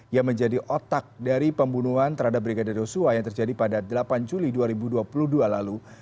yang menjadi otak dari pembunuhan terhadap brigadir yosua yang terjadi pada delapan juli dua ribu dua puluh dua lalu